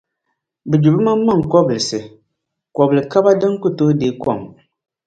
bɛ gbi bɛmaŋmaŋ’ kɔbilisi, kɔbil’ kaba din ku tooi deei kom.